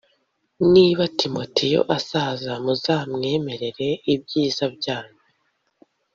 niba timoteyo azaza muzamwemere ibyiza byanyu